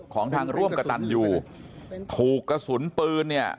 ของทางร่วมกระตันยูถูกกระสุนปืนเนี่ย